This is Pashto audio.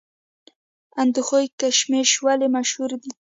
اندخوی کشمش ولې مشهور دي؟